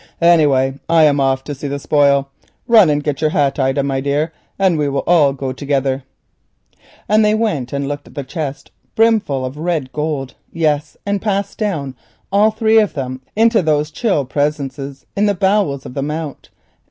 Anyway, I'm off to see the spoil. Run and get your hat, Ida, my dear, and we will all go together." And they went and looked at the chest full of red gold, yes, and passed down, all three of them, into those chill presences in the bowels of the Mount.